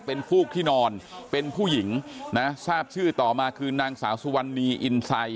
เป็นฟูกที่นอนเป็นผู้หญิงนะทราบชื่อต่อมาคือนางสาวสุวรรณีอินไซ